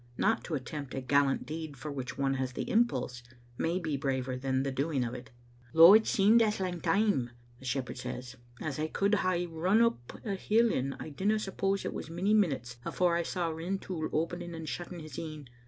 Not to attempt a gal lant deed for which one has the impulse, may be braver than the doing of it. " Though it seemed as lang time," the shepherd says, as I could hae run up a hill in, I dinna suppose it was many minutes afore I saw Rintoul opening and shutting his een.